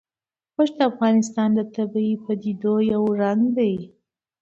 غوښې د افغانستان د طبیعي پدیدو یو رنګ دی.